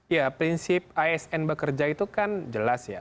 ya prinsip asn bekerja itu kan jelas ya